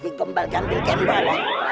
dikembal gambil kembal